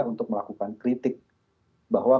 untuk melakukan kritik bahwa